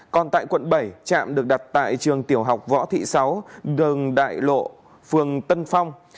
còn tại quận bảy trạm được đặt tại trường tiểu học võ thị sáu đường đại lộ phường tân phong